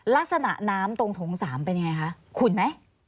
ลักษณะน้ำตรงถงสามเป็นอย่างไรคะขุ่นไหม